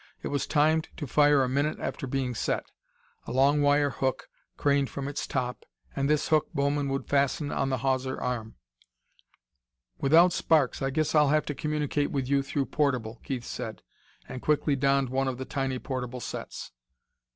It was timed to fire a minute after being set. A long wire hook craned from its top, and this hook Bowman would fasten on the hawser arm. "Without Sparks, I guess I'll have to communicate with you through portable," Keith said, and quickly donned one of the tiny portable sets.